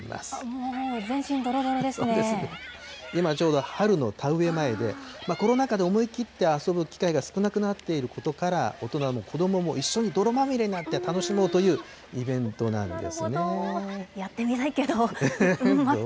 もう全身、今、ちょうど春の田植え前で、コロナ禍で思い切って遊ぶ機会が少なくなっていることから、大人も子どもも一緒に泥まみれになって楽しもうというイベントななるほど。